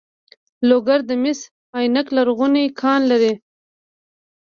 لوګر د مس عینک لرغونی کان لري